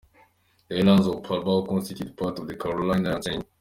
The islands of Palau constitute part of the Caroline Islands chain.